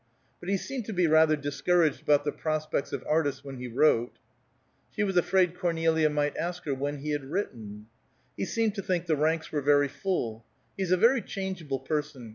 "But he seemed to be rather discouraged about the prospects of artists when he wrote." She was afraid Cornelia might ask her when he had written. "He seemed to think the ranks were very full. He's a very changeable person.